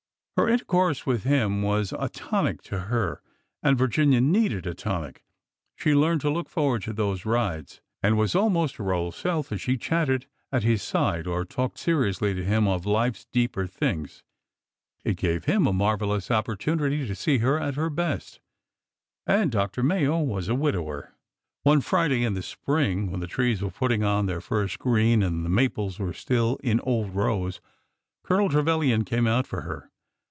Her intercourse with him was a tonic to her, and Vir ginia needed a tonic. She learned to look forward to those rides, and was almost her old self as she chatted at his side or talked seriously to him of life's deeper things. It gave him a marvelous opportunity to see her at her best. And Dr. Mayo was a widower. 380 SCENT OF A HONEYSUCKLE 381 One Friday in the spring, when the trees were putting on their first green and the maples were still in old rose, Colonel Trevilian came out for her.